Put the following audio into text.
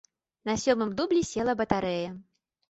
На сёмым дублі села батарэя.